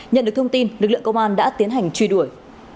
nhận được thông tin lực lượng công an đã tiến hành truy đuổi